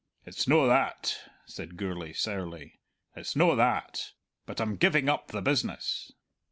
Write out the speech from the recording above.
"It's no that," said Gourlay sourly "it's no that. But I'm giving up the business."